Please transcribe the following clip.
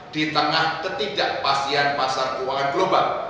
di tengah ketidakpastian pasar keuangan global